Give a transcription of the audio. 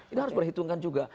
ini harus dihitungkan juga